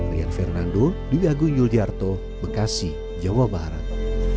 rian fernando dwi agung yuljarto bekasi jawa barat